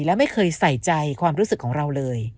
และไม่เคยใส่ใจความรู้สึกของเราเลย